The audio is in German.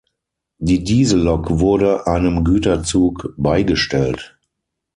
Die Diesellok wurde einem Güterzug beigestellt.